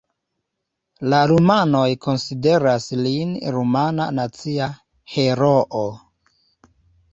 La rumanoj konsideras lin rumana nacia heroo.